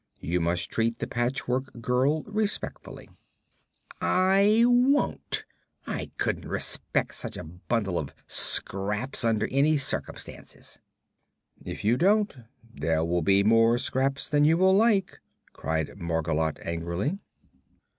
You must treat the Patchwork Girl respectfully." "I won't. I couldn't respect such a bundle of scraps under any circumstances." "If you don't, there will be more scraps than you will like," cried Margolotte, angrily.